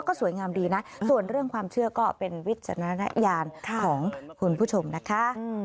ก็สวยงามดีนะส่วนเรื่องความเชื่อก็เป็นวิจารณญาณของคุณผู้ชมนะคะ